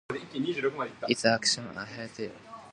Its auctions are held three to four times a year in Toronto.